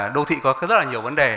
đô thị có rất là nhiều vấn đề